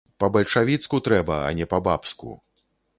Па-бальшавіцку трэба, а не па-бабску.